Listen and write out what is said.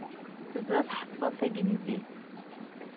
Yebda iḥeffeḍ tagnizit.